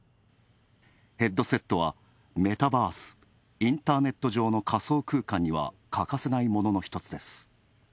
ヘッドセットは、メタバース＝インターネット上の仮想空間には欠かせないものの１つです。